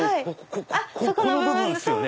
この部分ですよね。